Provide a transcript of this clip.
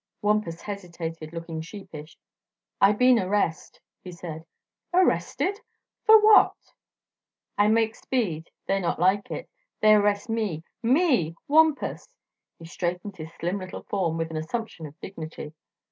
Wampus hesitated, looking sheepish. "I been arrest," he said. "Arrested! For what?" "I make speed. They not like it. They arrest me Me Wampus!" He straightened his slim little form with an assumption of dignity.